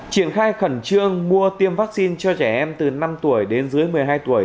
triển khai khẩn trương mua tiêm vaccine cho trẻ em từ năm tuổi đến dưới một mươi hai tuổi